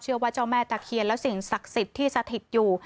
เชื่อว่าเจ้าแม่ตะเขียนแล้วสิ่งศักดิ์สิทธิ์ที่สถิตอยู่